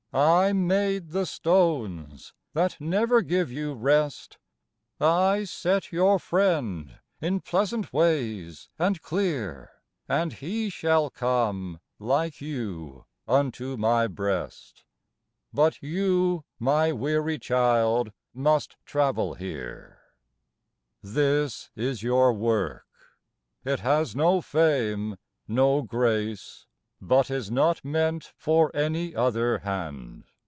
I made the stones â that never give you rest; I set your friend in pleasant ways and clear. And he shall come, like you, unto my breast; But you â ^my weary child! â ^must travel here. This is your work. It has no fame, no grace. But is not meant for any other hand.